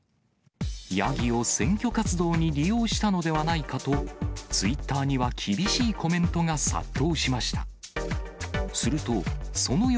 ヤギを選挙活動に利用したのではないかと、ツイッターには厳しいコメントが殺到しました。